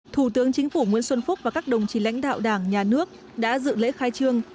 thủ tướng chính phủ nguyễn xuân phúc và các đồng chí lãnh đạo đảng nhà nước đã dự lễ khai trương